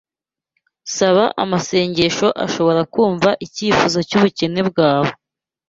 Saba amasengesho abashobora kumva icyifuzo cy’ubukene bwawe.